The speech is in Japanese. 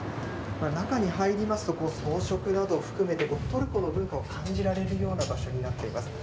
中に入りますと、装飾など含めて、トルコの文化を感じられるような場所になっています。